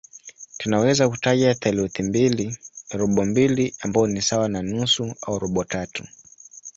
Tunaweza kutaja theluthi mbili, robo mbili ambayo ni sawa na nusu au robo tatu.